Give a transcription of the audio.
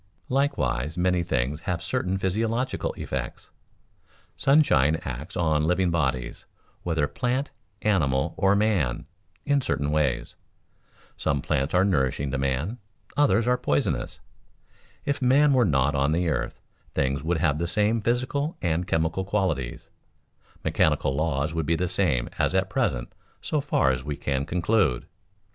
Likewise many things have certain physiological effects. Sunshine acts on living bodies, whether plant, animal, or man, in certain ways. Some plants are nourishing to man, others are poisonous. If man were not on the earth, things would have the same physical and chemical qualities, mechanical laws would be the same as at present so far as we can conclude.